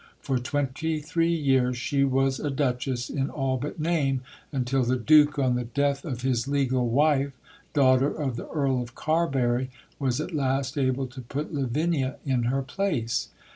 For twenty three years she was a Duchess in all but name, until the Duke, on the death of his legal wife, daughter of the Earl of Carberry, was at last able to put Lavinia in her place.